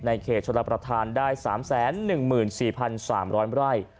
เขตชลประธานได้๓๑๔๓๐๐ไร่